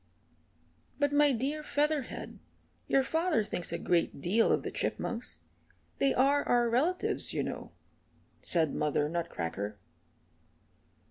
"But, my dear Featherhead, your father thinks a great deal of the Chipmunks they are our relatives you know," said Mother Nutcracker.